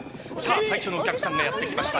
最初のお客さんがやってきました。